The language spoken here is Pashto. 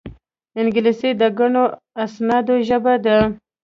انګلیسي د ګڼو اسنادو ژبه ده